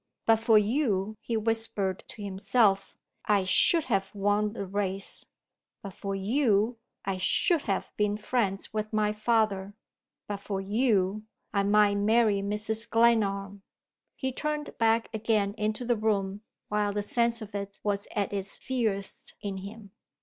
"But for you," he whispered to himself, "I should have won the race: but for you, I should have been friends with my father: but for you, I might marry Mrs. Glenarm." He turned back again into the room while the sense of it was at its fiercest in him.